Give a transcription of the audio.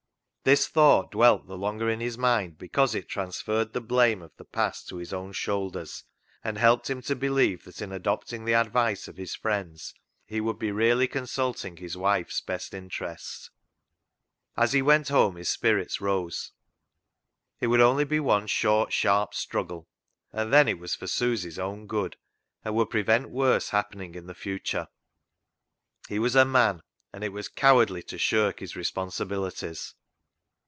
This thought dwelt the longer in his mind because it transferred the blame of the past to his own shoulders, and helped him to believe that in adopting the advice of his friends he would be really consulting his wife's best interests. As he went home his spirits rose. It would only be one short, sharp struggle. And then it was for Susy's own good, and would prevent worse happening in the future. He was a man, and it was cowardly to shirk his responsibilities.